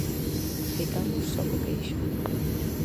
Ficamos só co queixo.